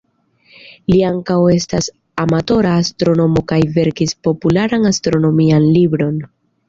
Li ankaŭ estas amatora astronomo kaj verkis popularan astronomian libron.